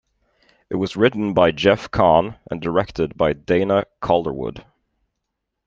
It was written by Jeff Kahn, and directed by Dana Calderwood.